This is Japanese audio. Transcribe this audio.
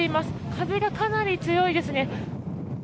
風がかなり強いですね。